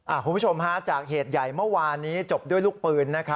คุณผู้ชมฮะจากเหตุใหญ่เมื่อวานนี้จบด้วยลูกปืน